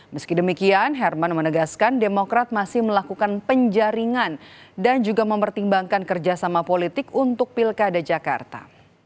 meski demikian herman menegaskan demokrat masih melakukan penjaringan dan juga mempertimbangkan kerjasama politik untuk pilkada jakarta